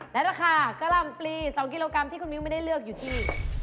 และราคากะหล่ำปลี๒กิโลกรัมที่คุณมิ้วไม่ได้เลือกอยู่ที่